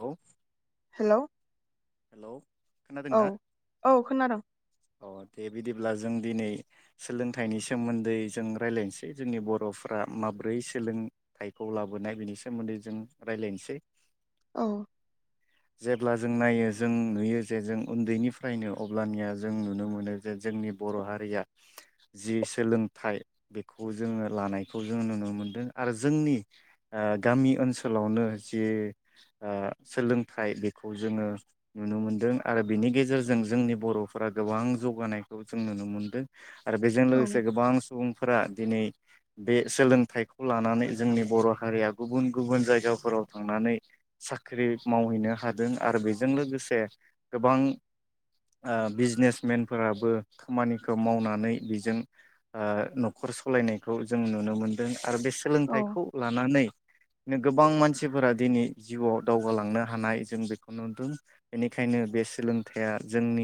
औ hello hello खोनादोंना औ औ खोनादों। अ दे बिदिब्ला जों दिनै सोलोंथाइनि सोमोन्दै जों रायलायनोसै जोंनि बर'फ्रा माब्रै सोलोंथाइखौ लाबोनाय बिनि सोमोन्दै जों रायलायनोसै औ जेब्ला जों नायो जों नुयो जे जों उन्दैनिफ्रायनो अब्लानिया जों नुनो मोनो जे जोंनि बर' हारिया जि सोलोंथाइ बेखौ जोङो लानायखौ जों नुनो मोनदों आरो जोंनि गामि ओनसोलावनो जि ओ सोलोंथाइ बेखौ जोङो नुनो मोनदों आरो बिनि गेजेरजों जोंनि बर'फोरा गोबां जौगानायखौ जों नुनो मोनदों आरो बेजों लोगोसे औ गोबां सुबुंफोरा दिनै बे सोलोंथाइखौ लानानै जोंनि बर' हारिया गुबुन गुबुन जायगाफोराव थांनानै साख्रि मावहैनो हादों आरो बेजों लोगोसे लोगोसे गोबां बिजनेसमेनफोराबो खामानिखौ मावनानै बेजों ओ न'खर सालायनायखौ जों नुनो मोनदों आरो बे औ सोलोंथाइखौ लानानै गोबां मानसिफोरा दिनै जिउआव दावगालांनो हानाय जों बेखौ नुदों बेनिखायनो बे सोलोंथाइया जोंनि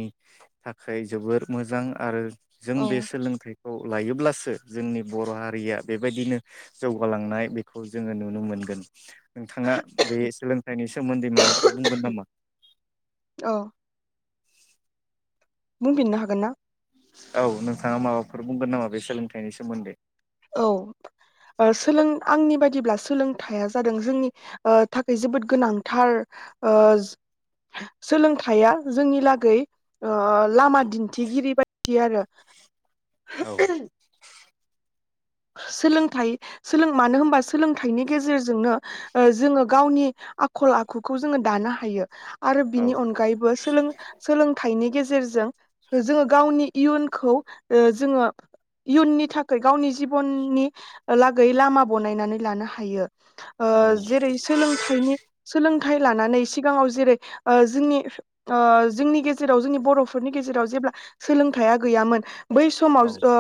थाखाय जोबोर मोजां आरो जों बे औ सोलोंथाइखौ लायोब्ला जो जोंनि बर' हारिया बेबायदिनो जौगालांनाय बेखौ जोङो नुनो मोनगोन नोंथाङा बे सोलोंथाइनि सोमोन्दै माबाफोर बुंगोन नामा औ बुंफिननो हागोन ना औ नोंथाङा माबाफोर बुंगोन नामा बे सोलोंथाइनि सोमोन्दै औ सोलों आंनि बायदिब्ला सोलोंथाइया जादों जोंनि थाखाय जोबोद गोनांथार ओ सोलोंथाइया जोंनि लागै लामा दिन्थिगिरि बायदि आरो औ सोलोंथाइ सोलों मानो होनबा सोलोंथाइनि गेजेरजोंनो ओ जोङो गावनि आखल आखुखौ जोङो दानो हायो आरो बिनि औ अनगायैबो सोलोंथाइनि गेजेर गेजेरजों जोङो गावनि इयुनखौ ओ जोङो इयुननि थाखाय गावनि जि जिबननि लागै लामा बनायनानै लानो हायो ओ औ जेरै सोलोंथायनि सोलों थाइ लानानै सिगाङाव जेरै ओ जोंनि जोंनि गेजेराव जोंनि बर'फोरनि गेजेराव जेब्ला सोलोंथाइया गैयामोन बै समाव औ ओ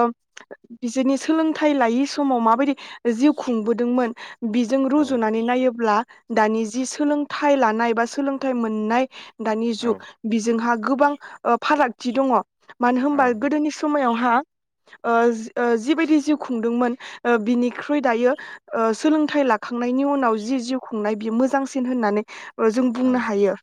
बिसोरनि सोलों थाय लायि समाव माबायदि जिउ खुंबोदोंमोन बिजों औ रुजुनानै नायोब्ला दानि जि सोलोंथाइ लानाय बा सोलोंथाइ मोननाय दानि औ जुग बिजोंहा गोबां ओ फारागथि दङ मानो औ होनबा गोदोनि समायाव हा ओ जि जिबायदि जिउ खुंदोंमोन ओ बिनिख्रुइ दायो ओ सोलोंथाइ लाखांनायनि उनाव जि जिउ खुंनाय बियो मोजांसिन होननानै जों औ बुंनो हायो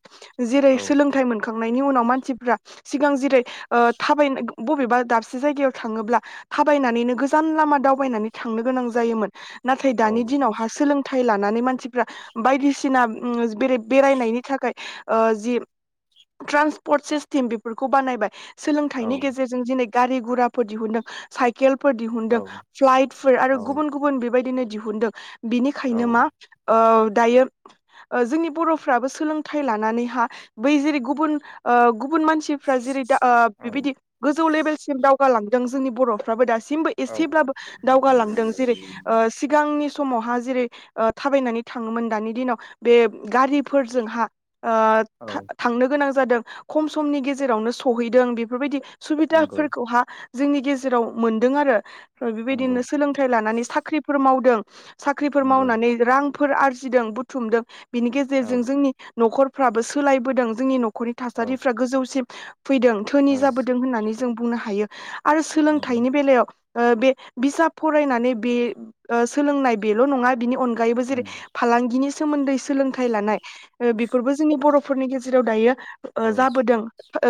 जेरै सोलोंथाइ मोनखां मोनखांनायनि उनाव मानसिफोरा सिगां जेरै ओ थाबायना बबेबा दाबसे जायगायाव थाङोब्ला थाबायनानैनो गोजो गोजान लामा दावबायनानै थांनो गोनां जायोमोन नाथाय दानि दिनावहा सोलोंथाइ फाय लानानै मानसिफ्रा बायदिसिना उ बे बेरायनायनि थाखाय अ जि ट्रान्सपर्ट सिस्टेम बेफोरखौ बानायबाय सोलोंथाइनि गेजेरजों दिनै गारि गोराफोर दिहुनदों साइकेलफोर दिहुनदों दिहुनदों औ फ्लाइटफोर आरो गुबुन गुबुन बेबायदिनो दिहुनदों। बिनिखायनो औ मा ओ दायो ओ जोंनि बर'फ्राबो सोलोंथाइ लानानैहा बै जेरै गुबुन ओ गुबुन मानसिफ्रा जेरै दा अ बिबायदि गोजौ लेभेलसिम दावगाालां जोंनि बर'फ्राबो दासिम औ एसेब्लाबो दावगालांदों जेरै अ ‍‍‍सिगांनि समावहा जेरै अ थाबायनानै थाङोमोन दानि दिनाव बे गारिफोरजोंहा ओ थां औ थांनो गोनां जादों खम समनि गेजेरावनो सहैदों बेफोरबायदि नंगौ सुबिदाफोरखौहा जोंनि गेजेराव मोनदों आरो [inaudible] नंगौ बेबायदिनो सोलोंथाइ लानानै साख्रिफोर मावदों साख्रिफोर नंगौ मावनानै रां फोर आरजिदों बुथुमदों बिनि गेजेरजों औ जोंनि न'खरफ्राबो सोलायबोदों जोंनि न नखरनि औ थासारिफ्रा गोजौसिम फैदों धोनि जाबोदों होननानै जों बुंनो हायो आरो नंगौ सोलोंथाइनि बेलायाव ओ बे बिजाब फरायनानै बे ओ सोलोंनाय बेल' नङा बिनि अन गोयैबो जेरै उम फालांगिनि सोमोन्दै सोलोंथाइ लानाय अ बेफोरबो जोंनि बर'फोरनि गेजेराव दायो औ अ जाबोदों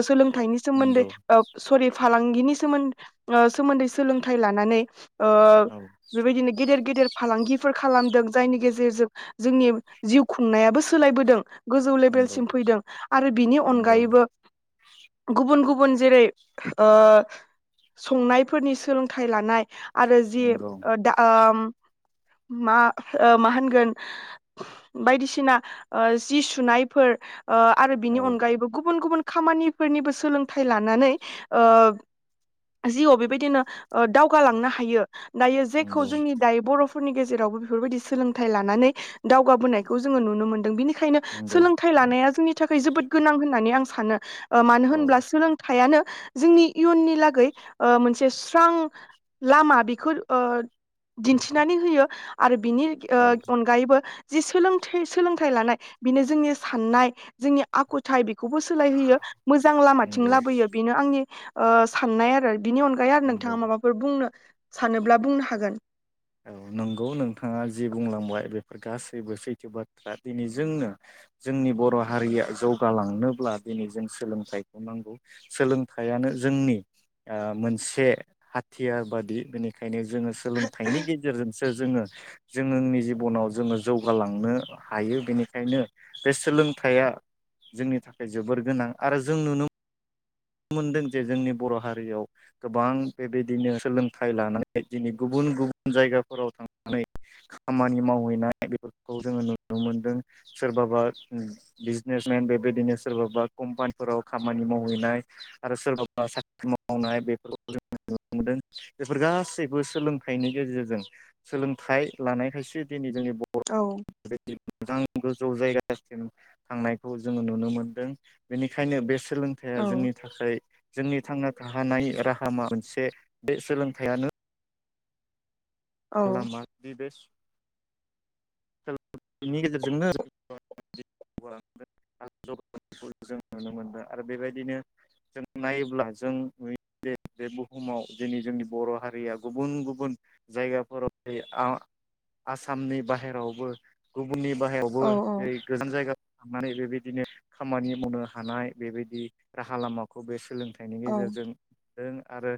सोलों नायनि सोमोन्दै नंगौ अफ सरि फालांगिनि सोमोन ओ सोमोन्दैस सोलोंथाइ लानानै ओ औ बेबायदिनो गेदेर गेदेर फालांगिफोर खालामदों जायनि गेजेरजों जोंनि जिउ खुंनायाबो सोलायबोदों। गोजौ नंगौ लेभेलसिम फैदों आरो बिनि नंगौ अनगायैबो गुबुन गु बुन जेरै ओ संनायफोरनिस सोलोंथाइ लानाय आरो जे नंगौ ओ दा ओम मा ओ मा होनगोन बायदिसिना ओ जि सुनायफो ओ आरो औ बिनि अनगायैबो गुबुन गुबुन खामानिफोरनिबो सोलोंथाइ लानानै ओ जिउआव बेबायदिनो ओ दावगालांनो हायो। दायो जेखौ नंगौ जोंनि दायो बर'फ फोरनि गेजेरावबो बिफोरबायदि सोलोंथाइ लानानै दावगाबोनायखौ जोङो नुनो मोनदों बिनि खायनो नंगौ सोलोंथाइ लानाया जोंनि थाख खै जोबोद गोनां होननानै आं सानो ‌ओ मानो औ होनब्ला सोलोंथाइआनो जोंनि इयुननि लागै ओ मोनसे सि फ्रां लामा बिखोर ओ दिन्थिनानै होयो आरो बिनि ओ औ अनगायैबो जि सोलोंथाइ सोलोंथाइ लानाय बिनो जोंनि साननाय जोंनि आखुथाय बि खौबो सोलायहैयो मोजां लामाथिं नंगौ लाबोयो बिनो आंनि ओ साननाय आरो बिनि अनगाय आरो नों थाङा नंगौ माबाफोर बुंनो सानोब्ला बुंनो हागोन। औ नोंगौ नोंथाङा जि बुंलांबाय बे फोर गासैबो सैथो बाथ्रा दिनै जोंनो जोंनि बर' हारिया जौगालांनोब्ला दिनै जों सोलोंथाइखौ नांगौ सोलोंथाइयानो जोंनि ओ मोनसे हाथियार बादि बेनिखायनो जोङो सोलों बिनि गेजेरजोंसो जोङो जों ओंनि जिबनाव जोङो जौगालांनो हायो बेनिखायनो बे सोलोंथाइया जोंनि थाखाय जोबोर गोनां आरो जों नुनो नुनो मोनदों जे जोंनि बर' हारियाव गोबां बेबायदिनो सोलोंथाइ लानानै दिनै गुबुन गुबुन जायगाफोराव थांनानै खामानि मावहैनाय बेफोरखौ जोङो नुनो मोनदों सोरबाबा उम बिजनेसमेन बेबायदिनो सोरबाबा कम्पानिफोराव खामानि मावहैनाय आरो सोरबा साख्रि मावनाय बेफोरखौ जों नुनो मोनदों बेफोर गासैबो सोलोंथाइनि गेजेरजों सोलोंथाइ लानायखायसो दिनै जोंनि औ [inaudible] मोजां गोजौ जायगासिम थांनायखौ जोङो नुनो मोनदों बिनिखायनो बेस सोलोंथाइया औ जोंनि थाखाय जोंनि थांना थानाय राहामा मोनसे बे सोलोंथाइयानो आखला मा बि बेस बिनि गेजेरजोंनो जों नुनो मोनदों आरो बेबायदिनो जों नायोब्ला जों नुयो जे बुहुमाव दिनै जोंनि बर' हारिया गुबुन गुबुन जायगाफोराव थायो आह आसामनि बाहेरावबो गुबुननि बाहायावबो औ जेरै गोजान जायगा थांनानै बेबायदिनो खामानि मावनो हानाय बेबायदि राहा लामाखौ बे सोलों थाइनि औ गेजेरजों जों आरो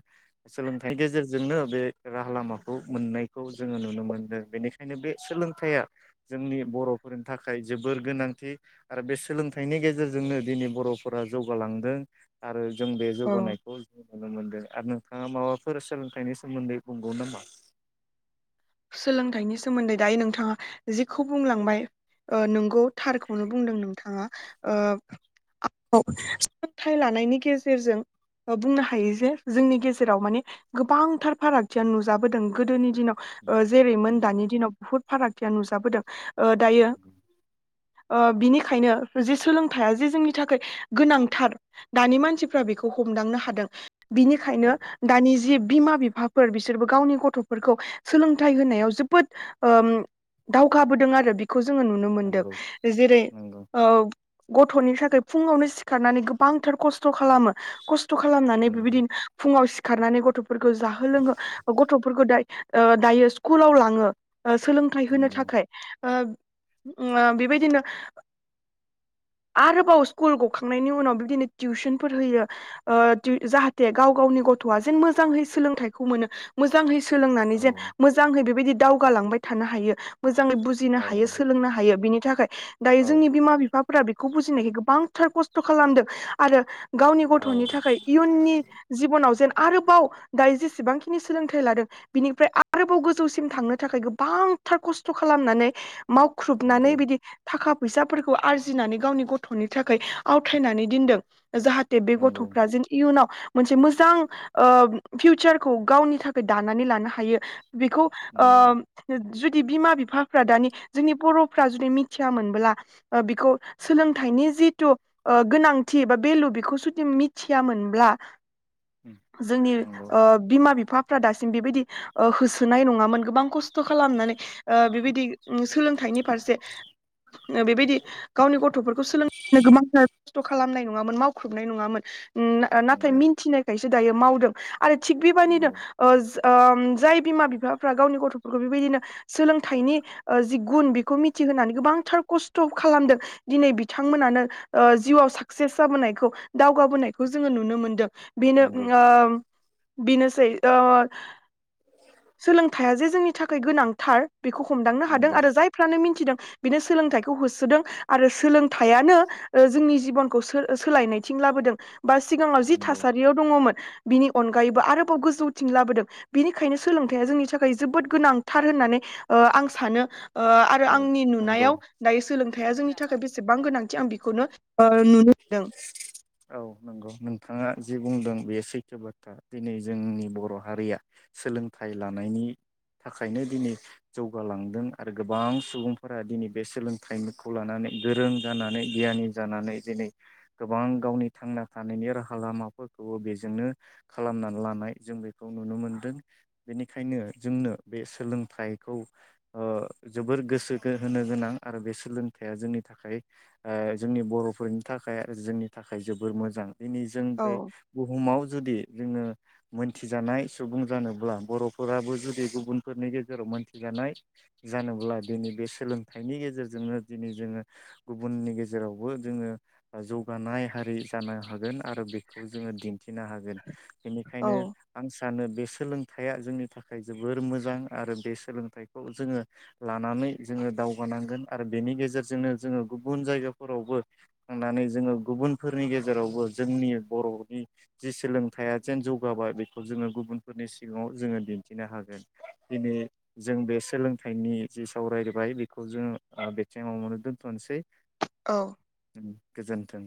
सोलोंथाइनि गेजेरजोंनो बे राहा लामाखौ मोननायखौ जोङो नुनो मोनदों बेनिखायनो बे सोलोंथाइया जोंनि बर'फोरनि थाखाय जोबोर गोनांथि आरो बे सोलोंथाइनि गेजेरजोंनो दिनै बर'फोरा जौगालांदों आरो जों बे औ जौगानायखौ जों नुनो मोनदों आरो नों नोंथाङा माबाफोर सोलोंथाइनि सोमोन्दै बुंगौ नामा? सोलोंथाइनि सोमोन्दै दायो नोंथाङा जेखौ बुंलांबाय ओ नंगौ थारखौनो बुंदों नोंथाङा सोलोंथाइ लानायनि गेजेरजों बुंनो हायो जे जोंनि गेजेराव माने गोबांथार फारागथिया नुजाबोदों गोदोनि दिनाव जेरैमोन नंगौ दानि दिनाव बुहुत फारागथिया नुजाबोदों। ओ दायो। नंगौ ओ बिनिखायनो जे सोलोंथाइया जे जोंनि थाखाय गोनांथार दानि मानसिफ्रा बेखौ हमदांनो हादों बिनिखायनो औ दानि जि बिमा बिफाफोर बिसोरबो गावनि गथफोरखौ सोलोंथाइ होनायाव जोबोद ओ दावखाबोदों आरो बि खौ जोङो नुनो मोनदों नंगौ जेरै नंगौ ओ गथ'नि थाखाय फुङावनो सिखारनानै गोबांथार कस्थ खालामो कस थ खालामनानै नंगौ बिबायदिनो फुङाव सि खारनानै गथ'फोरखौ जाहो लोङो गथ'फोरखौ दाय ओ दायो स्कुलाव लाङो। सोलोंथाइ होनो नंगौ थाखाय ओ ओ बेबायदिनो आरोबाव स्कुल गखांनायनि उनाव बिदिनो टिउसनफोर होयो ओ टिउ जाहाथे गाव गावनि गथया जे मोजाङै सोलोंथाइखौ मोनो मोजाङै सोलोंनानै औ जेन मोजाङै बेबायदि दावगालांबाय थानो हायो मोजाङै बुजिनो औ हायो सोलोंनो हायो बिनि थाखाय दायो औ जोंनि बिमा बिफा फोरा बेखौ बुजिनायखाय गोबांथार कस्थ' खालामदों आरो गावनि औ गथ'नि थाखाय इयुननि जिब'नाव जेन आरोबाव दायो जेसेबांखिनि सोलोंथाइ लादों बिनि फ्राय आरोबाव गोजौसिम थांनो थाखाय गोबांथार कस्थ खालामनानै मावख्रुबनानै नंगौ बिदि थाखा फैसाफोरखौ आरजिनानै गावनि गथ'नि थाखाय आवथायनानै दोनदों। जाहाथे बे नंगौ गथ'फ्रा जेन इयुनाव मोनसे मोजां ओ फिउचारखौ गावनि थाखाय दानानै लानो हायो बेखौ ओ नंगौ जु जुदि बिमा बिफाफ्रा दानि जोंनि बर'फ्रा जुदि मिथियामोनब्ला बेखौ सोलोंथाइनि जिथु ओ गोनांथि बा बेेलु बेखौ जुदि मिथियामोनब्ला जोंनि नंगौ बिमा बिफा बिफाफ्रा दासिम बेबायदि ओ होसोनाय नङामोन गोबां ख खस्थ' खालामनानै ओ बेबायदि सोलोंथाइनि फारसे बेबायदि गावनि गथ'फोरखौ सोलोंनो गोबांथार खस्थ' खालामनाय नङा नङामोन मावख्रुबनाय नङामोन उम नाथाय नंगौ मिनथिनायखाय सो दायो मावदों आरो थिग बेबायदिनो नंगौ ओ ओम जाय बिमा बिफाफ्रा गावनि गथ'फोरखौ बेबायदिनो सोलोंथाइनि ओ जि गुन बेखौ मिथिहोनानै गोबांथार खस्थ' खालामदों दिनै बिथांमोनानो ओ जिउआव साक्सेस जाबोनायखौ दावगाबोनायखौ जोङो नुनो मोनदों बिनो नंगौ ओ बिनोसै ओ सोलोंथाइया जे जोंनि थाखाय गोनांथार बेखौ हमदांनो हादों नंगौ आरो जायफ्रानो मिथिदों बिनो सोलोंथाइखौ होसोदों आरो सोलों थाइयानो ओ जोंनि जिबनखौ सोलायनायथिं लाबोदों बा सिगाङाव जि नंगौ थासारियाव दङमोन बिनि अनगायैबो आरोबाव गोजौथिं लाबोदों बिनिखायनो सोलोंथाइया जोंनि थाखाय जोबोद गोनांथार होननानै ओ आं सानो ओ आरो औ आंनि नंगौ नुनायाव दायो सोलोंथाइया जोंनि थाखाय बेसेबां गोनांथि आं बेखौनो ओ नुनो मोनदों औ नंगौ नोंथाङा जि बुंदों बे सैथो बाथ्रा दिनै जोंनि बर' हारिया सोलोंथाइ लानायनि थाखायनो दिनै जौगालांदों आरो गोबां सुबुंफोरा दिनै बे सोलोंथाइखौ लानानै गोरों जानानै गियानि जानानै दिनै गोबां गावनि थांना थानायनि राहा लामाफोरखौबो बेजोंनो खालामनानै लानाय जों बेखौ नुनो मोनदों बेनिखायनो जोंनो बे सोलोंथाइखौ ओ जोबोर गोसो होनो गोनां आरो बे सोलोंथाइया जोंनि थाखाय ओ जोंनि बर'फोरनि थाखाय जोंनि थाखाय जोबोर मोजां दिनै जों औ बे बुहुमाव जुदि जोङो मोनथिजानाय सुबुं जानोब्ला बर'फोराबो जुदि गुबुनफोरनि गेजेराव मोनथिजानाय जानोब्ला दिनै बे सोलोंथाइनि गेजेरजोंनो दिनै जोङो गुबुननि गेजेरावबो जोङो जौगानाय हारि जानो हागोन आरो बेखौ जोङो दिन्थिनो हागोन बेनिखायनो औ आं सानो बे सोलोंथाइया जोंनि थाखाय जोबोर मोजां आरो बे सोलोंथाइखौ जोङो लानानै जोङो दावगानांगोन आरो बेनि गेजेरजोंनो जोङो गुबुन जायगाफोरावबो थांनानै जोङो गुबुनफोरनि गेजेरावबो जोंनि बर'नि जि सोलोंथाइया जेन जौगाबाय बेखौ जोङो गुबुनफोरनि सिगाङाव जोङो दिन्थिनो हागोन दिनै जों बे सोलों थाइनि जि सावरायबाय बेखौ जों ओ बेथिंङावनो दोन्थ'नोसै औ गोजोन गोथों